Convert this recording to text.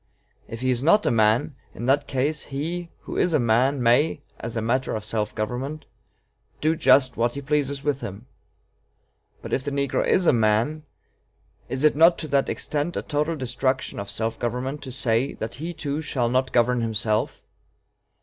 If he is not a man, in that case, he who is a man may, as a matter of self government, do just what he pleases with him. But if the negro is a man, is it not to that extent a total destruction of self government to say that he too shall not govern himself?